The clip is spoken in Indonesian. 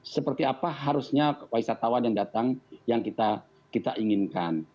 seperti apa harusnya wisatawan yang datang yang kita inginkan